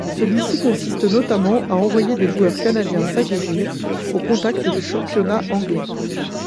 Celui-ci consiste notamment à envoyer des joueurs canadiens s’aguerrir au contact du championnat anglais.